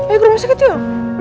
ayo ke rumah sakit yuk